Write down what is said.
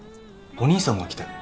お兄さんが来たよ。